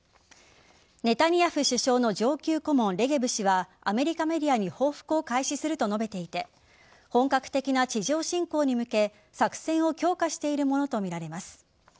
ネタニヤフ首相の上級顧問レゲフ氏市はアメリカメディアに報復を開始すると述べていて本格的な地上侵攻に向け作戦を強化しているものとみられます。